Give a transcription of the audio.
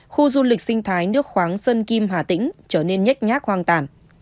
khu du lịch sinh thái nước khoáng sơn kim hà tĩnh trở nên nhét nhát hoang tản